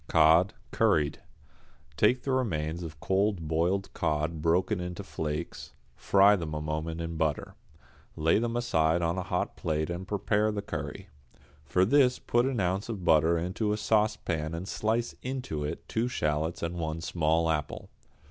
=Cod, Curried.= Take the remains of cold boiled cod broken into flakes, fry them a moment in butter. Lay them aside on a hot plate and prepare the curry. For this put an ounce of butter into a saucepan and slice into it two shallots and one small apple.